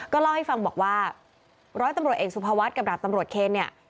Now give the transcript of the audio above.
เล่าให้ฟังบอกว่าร้อยตำรวจเอกสุภวัฒน์กับดาบตำรวจเคนเนี่ย